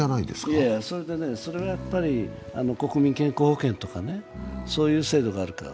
それはやはり、国民健康保険とかね、そういう制度があるから。